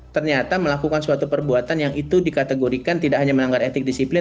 ternyata melakukan suatu perbuatan yang itu dikategorikan tidak hanya melanggar etik disiplin